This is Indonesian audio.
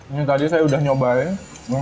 ini tadi saya udah nyobain